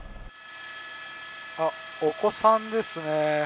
あっ、お子さんですね。